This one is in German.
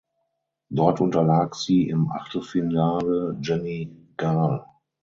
Dort unterlag sie im Achtelfinale Jenny Gal.